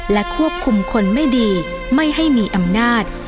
และควบคุมคนไม่ดีไม่ให้มีอำนาจ